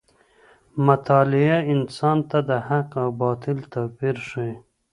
مطالعه انسان ته د حق او باطل توپیر ښيي.